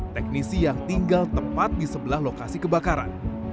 teknisi yang tinggal tepat di sebelah lokasi kebakaran